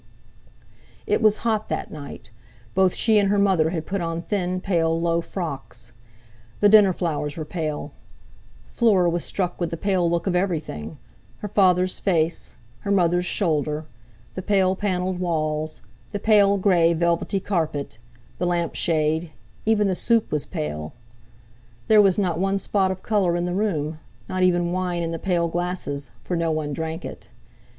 It was hot that night. Both she and her mother had put on thin, pale low frocks. The dinner flowers were pale. Fleur was struck with the pale look of everything; her father's face, her mother's shoulders; the pale panelled walls, the pale grey velvety carpet, the lamp shade, even the soup was pale. There was not one spot of colour in the room, not even wine in the pale glasses, for no one drank it.